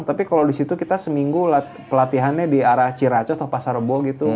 tapi kalau di situ kita seminggu pelatihannya di arah ciracas atau pasar rebo gitu